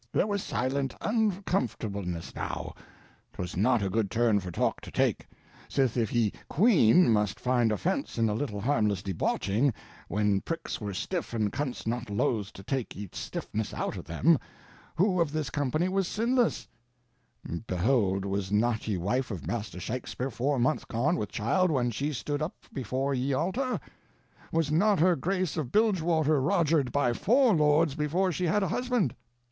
There was silent uncomfortableness now; 'twas not a good turn for talk to take, sith if ye queene must find offense in a little harmless debauching, when pricks were stiff and cunts not loathe to take ye stiffness out of them, who of this company was sinless; behold, was not ye wife of Master Shaxpur four months gone with child when she stood uppe before ye altar? Was not her Grace of Bilgewater roger'd by four lords before she had a husband?